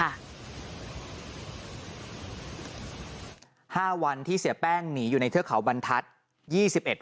ห้าวันที่เสียแป้งหนีอยู่ในเทือกเขาบรรทัศน์